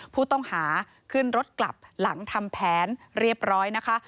ผู้ต้องหาขึ้นรถกลับหลังทำแผนเรียบร้อยนะคะ